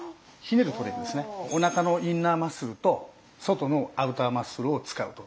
おなかのインナーマッスルと外のアウターマッスルを使うと。